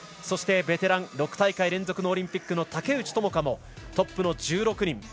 そして、ベテラン６大会連続オリンピックの竹内智香もトップの１６人。